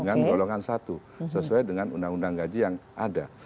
dan golongan satu sesuai dengan undang undang gaji yang ada